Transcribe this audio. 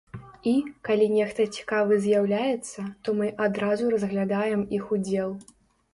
І, калі нехта цікавы з'яўляецца, то мы адразу разглядаем іх удзел.